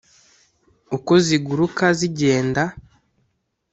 uko ziguruka zigenda